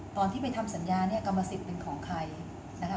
ก่อนที่ไปทำสัญญากรรมสิทธิ์เป็นของใคร